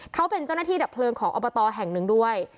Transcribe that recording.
เขาเป็นเจ้าหน้าที่ดับเพลิงของอบตแห่งหนึ่งด้วย